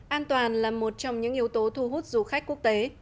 an toàn là một trong những yếu tố thu hút du khách quốc tế